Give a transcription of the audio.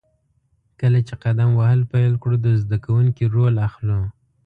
کله چې قدم وهل پیل کړو، د زده کوونکي رول اخلو.